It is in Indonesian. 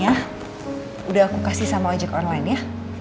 pak tadi salat buahnya udah aku kasih sama ojek online ya